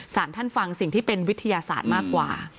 สารท่านฟังสิ่งที่เป็นวิทยาศาสตร์มากกว่า